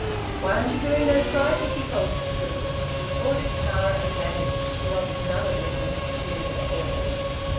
"Why aren't you doing those prizes he told you to do?" retorted Clara, and vanished, She wanted none of Edwin's superior airs.